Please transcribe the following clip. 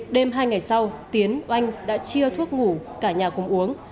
đêm hai ngày sau tiến oanh đã chia thuốc ngủ cả nhà cùng uống